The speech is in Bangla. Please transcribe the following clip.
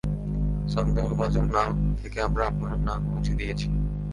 সন্দেহভাজন নাম থেকে আমরা আপনার নাম মুছে দিয়েছি।